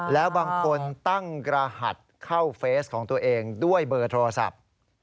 แล้วบางคนตั้งรหัสเข้าเฟสของตัวเองด้วยเบอร์โทรศัพท์